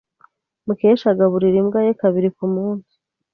Mukesha agaburira imbwa ye kabiri kumunsi.